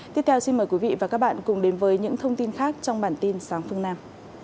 tiếp theo xin mời quý vị và các bạn cùng đến với những thông tin khác trong bản tin sáng phương nam